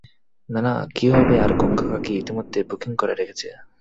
না না, কী হবে আর গঙ্গা কাকী ইতিমধ্যে বুকিং করে রেখেছে।